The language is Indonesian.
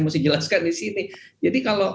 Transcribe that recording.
mesti jelaskan di sini jadi kalau